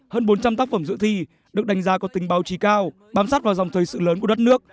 hơn bốn trăm linh tác phẩm dự thi được đánh giá có tính báo chí cao bám sát vào dòng thời sự lớn của đất nước